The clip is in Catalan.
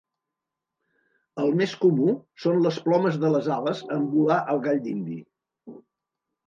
El més comú són les plomes de les ales en volar el gall d"indi.